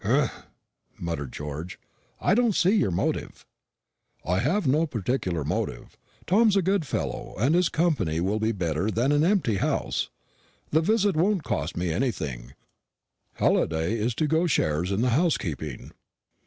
"Humph!" muttered George; "I don't see your motive." "I have no particular motive. Tom's a good fellow, and his company will be better than an empty house. The visit won't cost me anything Halliday is to go shares in the housekeeping."